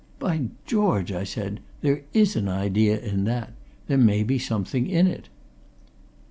"By George!" I said. "There is an idea in that! there may be something in it!"